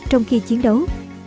trong khi chiến đấu